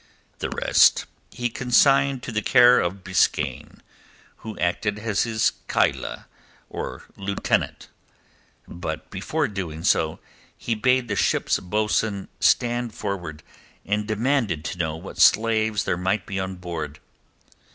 The rest he consigned to the care of Biskaine, who acted as his Kayia, or lieutenant. But before doing so he bade the ship's bo'sun stand forward, and demanded to know what slaves there might be on board.